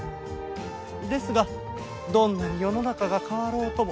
ですがどんなに世の中が変わろうとも